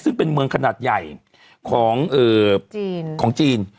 ซึ่งเป็นเมืองขนาดใหญ่ของจีน